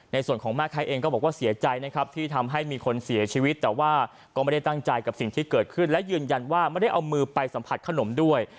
ในส่วนของแม่ค้าเองก็บอกว่าเสียใจนะครับที่ทำให้มีคนเสียชีวิตแต่ว่าก็ไม่ได้ตั้งใจกับสิ่งที่เกิดขึ้นและยืนยันว่าไม่ได้เอามือไปสัมผัสขนมด้วย